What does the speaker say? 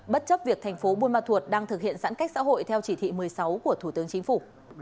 bất chấp việc tp buôn ma thuật đang thực hiện giãn cách xã hội theo chỉ thị một mươi sáu của thủ tướng chính phủ